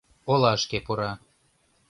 Олашке пура.